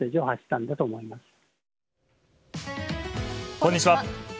こんにちは。